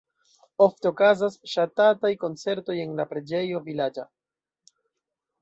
Ofte okazas ŝatataj koncertoj en la preĝejo vilaĝa.